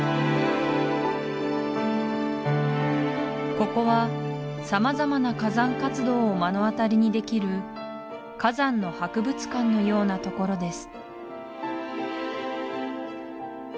ここは様々な火山活動を目の当たりにできる火山の博物館のような所です